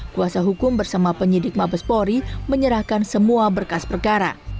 kuasa hukum bersama penyidik mabespori menyerahkan semua berkas perkara